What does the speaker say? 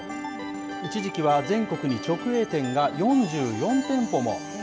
一時期は全国に直営店が４４店舗も。